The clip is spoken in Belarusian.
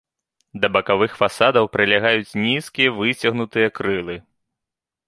Да бакавых фасадаў прылягаюць нізкія выцягнутыя крылы.